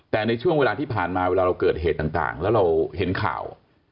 แต่ในช่วงเวลาที่ผ่านมาเวลาเราเกิดเหตุต่างแล้วเราเห็นข่าว